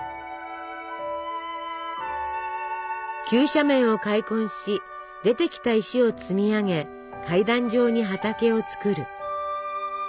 急斜面を開墾し出てきた石を積み上げ階段状に畑を作る。